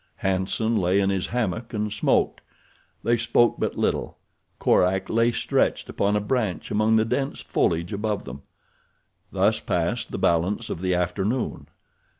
Hanson lay in his hammock and smoked. They spoke but little. Korak lay stretched upon a branch among the dense foliage above them. Thus passed the balance of the afternoon.